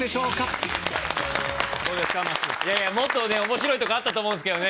いやいや、もっとおもしろいところあったとおもうんですけどね